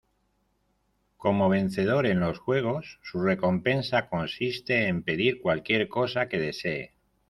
Como vencedor en los juegos, su recompensa consiste en pedir cualquier cosa que desee.